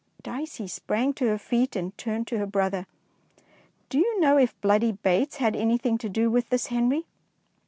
Dicey sprang to her feet and turned to her brother. "Do you know if 'Bloody Bates' had anything to do with this, Henry?"